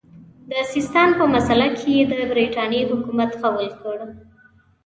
د سیستان په مسئله کې یې د برټانیې حکمیت قبول کړ.